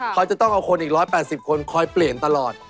เขาจะต้องเอาคนอีก๑๘๐คนคอยเปลี่ยนตลอด